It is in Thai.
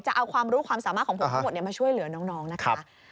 จะเอาความรู้ความสามารถของผมทั้งหมดมาช่วยเหลือน้องนะคะ